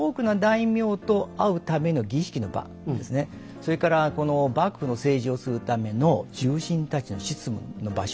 それから幕府の政治をするための重臣たちの執務の場所。